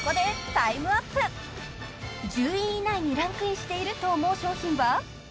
［１０位以内にランクインしていると思う商品は？］